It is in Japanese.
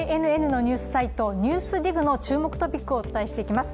ＪＮＮのニュースサイト、「ＮＥＷＳＤＩＧ」の注目トピックをお伝えしていきます。